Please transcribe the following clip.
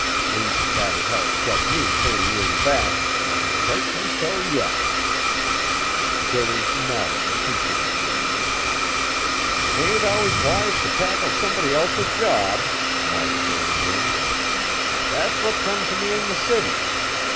Least, that is how it struck me thirty year back, an' it strikes me so yet." Billy nodded appreciatively. "'T ain't always wise t' tackle somebody else's job," Mark joined in, "that's what come t' me in the city.